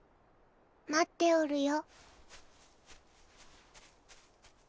まっておるよ。